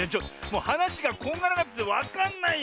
はなしがこんがらがっててわかんないよ！